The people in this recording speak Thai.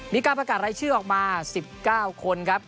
มีการประกาศไร้ชื่อออกมาสิบเก้าคนครับ